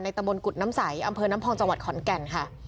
ตะบนกุฎน้ำใสอำเภอน้ำพองจังหวัดขอนแก่นค่ะ